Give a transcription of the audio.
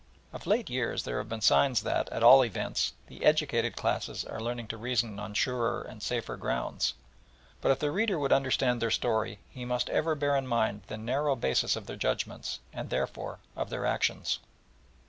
Of late years there have been signs that, at all events, the educated classes are learning to reason on surer and safer grounds; but if the reader would understand their story, he must ever bear in mind the narrow basis of their judgments and, therefore, of their actions.